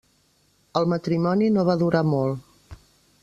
El matrimoni no va durar molt.